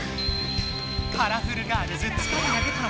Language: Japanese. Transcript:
カラフルガールズつかれが出たのか